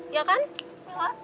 iya kan mela